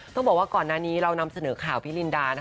ต้องบอกว่าก่อนหน้านี้เรานำเสนอข่าวพี่ลินดา